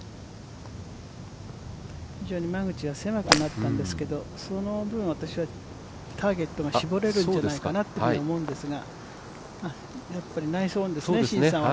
非常に間口は狭くなったんですけどその分私は、ターゲットが絞れるんじゃないかなと思うんですがやっぱりナイスオンですね、シンさんは。